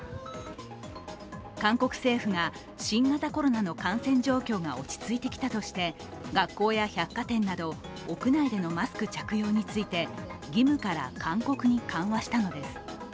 韓国政府が新型コロナの感染状況が落ち着いてきたとして学校や百貨店など屋内でのマスク着用について義務から勧告に緩和したのです。